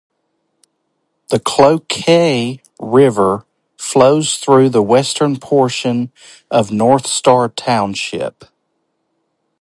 The Cloquet River flows through the western portion of North Star Township.